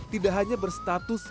tidak hanya berstatus